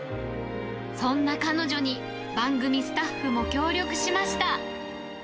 そんな彼女に、番組スタッフも協力しました。